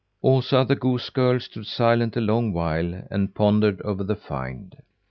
Osa, the goose girl, stood silent a long while, and pondered over the find.